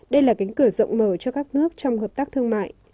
đây là cánh cửa rộng mở cho các nước trong hợp tác thương mại